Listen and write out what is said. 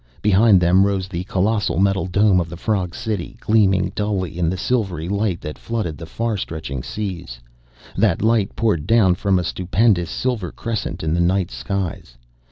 Behind them rose the colossal metal dome of the frog city, gleaming dully in the silvery light that flooded the far stretching seas. That light poured down from a stupendous silver crescent in the night skies.